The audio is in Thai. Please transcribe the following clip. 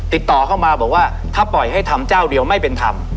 ติดต่อเข้ามาบอกว่าถ้าปล่อยให้ทำเจ้าเดียวไม่เป็นธรรม